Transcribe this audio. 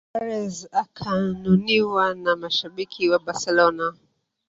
Perez akanuniwa na mashabiki wa Barcelona